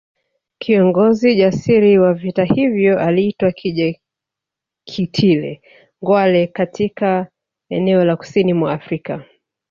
Kiongozi jasiri wa vita hivyo aliitwa Kinjekitile Ngwale katika eneo la kusini mwa Afrika